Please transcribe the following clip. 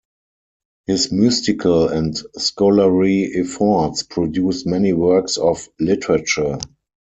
His mystical and scholarly efforts produced many works of literature.